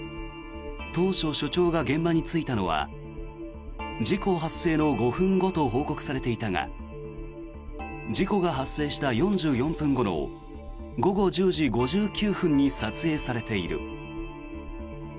当初、署長が現場に着いたのは事故発生の５分後と報告されていたが事故が発生した４４分後の午後１０時５９分に撮影されている。